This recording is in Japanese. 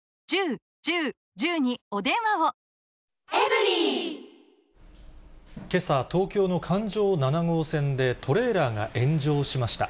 どーんとか、けさ、東京の環状七号線でトレーラーが炎上しました。